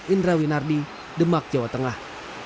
indra winardi demak jawa tengah